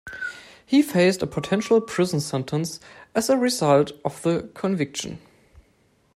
He faced a potential prison sentence as a result of the conviction.